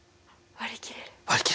割り切れる！